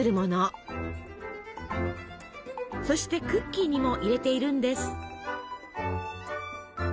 そしてクッキーにも入れているんです。